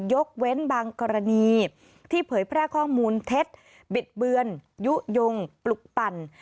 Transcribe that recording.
ยกเว้นบางกรณีที่เผยแพร่ข้อมูลเท็จบิดเบือนยุโยงปลุกปั่น